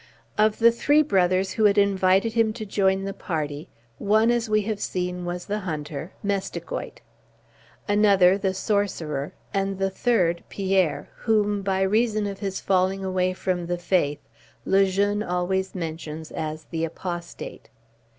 Of the three brothers who had invited him to join the party, one, we have seen, was the hunter, Mestigoit; another, the sorcerer; and the third, Pierre, whom, by reason of his falling away from the Faith, Le Jeune always mentions as the Apostate.